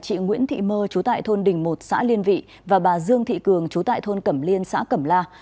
chị nguyễn thị mơ chú tại thôn đình một xã liên vị và bà dương thị cường chú tại thôn cẩm liên xã cẩm la